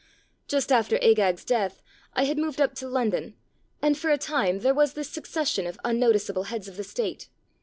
Just after Agag's death I had moved up to London, and for a time there was this succession of unnoticeable heads of the state.